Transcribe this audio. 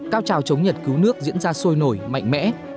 cao trào chống nhật cứu nước diễn ra sôi nổi mạnh mẽ